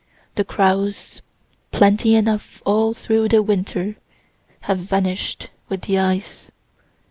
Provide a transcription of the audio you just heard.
The crows, plenty enough all through the winter, have vanish'd with the ice.